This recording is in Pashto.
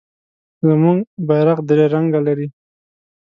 زمونږ بیرغ درې رنګه لري.